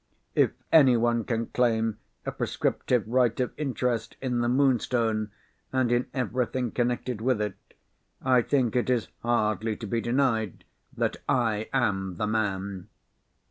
If anyone can claim a prescriptive right of interest in the Moonstone, and in everything connected with it, I think it is hardly to be denied that I am the man.